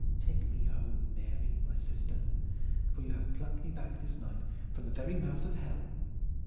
Take me home, Mary, my sister, for you have plucked me back this night from the very mouth of Hell!"